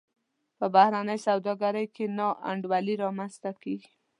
په بهرنۍ سوداګرۍ کې نا انډولي رامنځته کیږي.